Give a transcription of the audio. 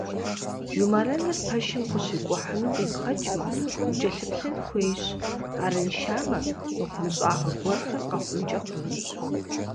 Жумэрэныр пэшым къыщикӏухьыну къибгъэкӏмэ, укӏэлъыплъын хуейщ, арыншамэ, мыхъумыщӏагъэ гуэрхэр къэхъункӏэ хъунущ.